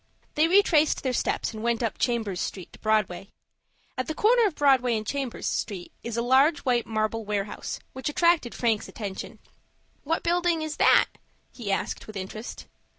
They retraced their steps and went up Chambers Street to Broadway. At the corner of Broadway and Chambers Street is a large white marble warehouse, which attracted Frank's attention. "What building is that?" he asked, with interest.